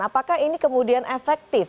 apakah ini kemudian efektif